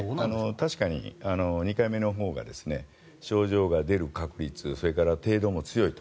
確かに、２回目のほうが症状が出る確率程度も強いと。